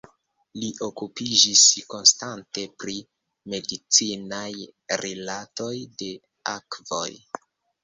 Li okupiĝis konstante pri medicinaj rilatoj de akvoj.